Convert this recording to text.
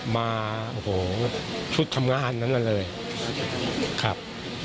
มาโอ้โหชุดทำงานนั้นเลยครับ